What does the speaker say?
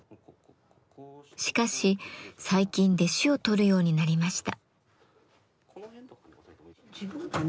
しかし最近弟子を取るようになりました。